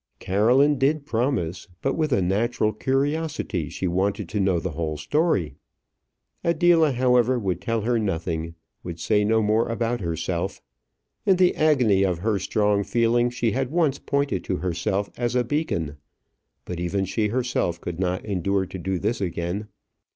Caroline did promise; but with a natural curiosity she wanted to know the whole story. Adela, however, would tell her nothing, would say no more about herself. In the agony of her strong feeling she had once pointed to herself as a beacon; but even she herself could not endure to do this again.